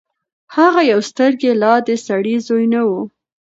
هغه يو سترګې لا د سړي زوی نه وو.